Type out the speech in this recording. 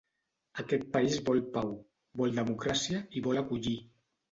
Aquest país vol pau, vol democràcia i vol acollir.